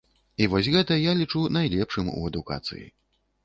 І вось гэта я лічу найлепшым у адукацыі.